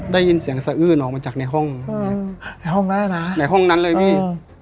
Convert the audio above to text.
ได้ยินเสียงสะอื้นออกมาจากในห้องในห้องแรกนะในห้องนั้นเลยพี่